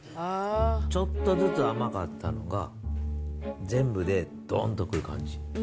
ちょっとずつ甘かったのが、全部でどんと来る感じ。